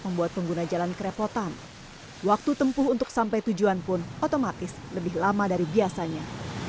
membuat pengguna jalan kerepotan waktu tempuh untuk sampai tujuan pun otomatis lebih lama dari biasanya